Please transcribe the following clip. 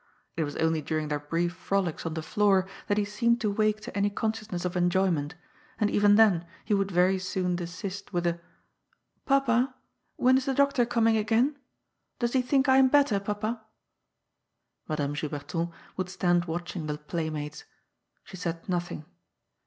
It was only during their brief frolics on the floor that he seemed to wake to any consciousness of enjoyment, and even then he would very soon desist with a " Papa, when is the doctor coming again ? Does he think I am better, papa ?" Madame Juberton would stand watching the playmates. She said nothing.